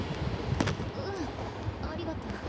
うんありがと。